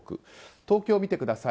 東京、見てください。